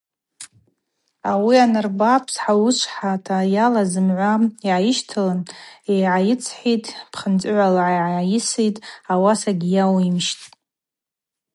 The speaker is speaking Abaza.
Ауи анырба псауышвхӏата йалаз зымгӏва гӏайыщталын йгӏайыцхӏитӏ, пхьынцӏыгӏвала йгӏайыситӏ, ауаса йгьауйымщттӏ.